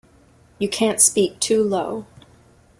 You can't speak too low.